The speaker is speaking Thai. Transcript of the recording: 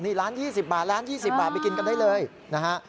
นี่ร้าน๒๐บาทร้าน๒๐บาทไปกินกันได้เลยนะฮะ